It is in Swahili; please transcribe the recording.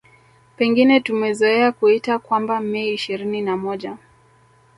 Pengine tumezoea kuita kwamba Mei ishirini na moja